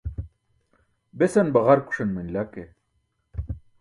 Besan baġarkuṣan manila ke